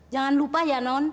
jangan lupa ya non